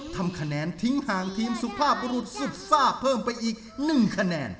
ทำคะแนนทิ้งห่างทีมสุภาพบรุษสุดซ่าเพิ่มไปอีก๑คะแนน